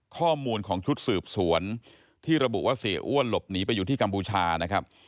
ข้อมูลของชุดสืบสวนที่ระบุว่าเสียอ้วนหลบหนีไปอยู่ที่กัมพูชานะครับ